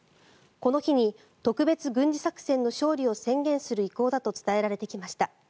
この日に特別軍事作戦の勝利を宣言する意向だと伝えられてきました。